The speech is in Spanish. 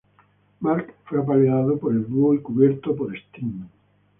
Mark fue apaleado por el dúo y cubierto por Steen.